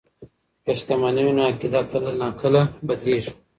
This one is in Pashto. که شتمني وي نو عقیده کله ناکله بدلیږي.